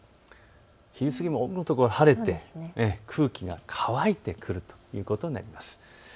昼過ぎも多くの所、晴れて空気が乾いてくるということになります。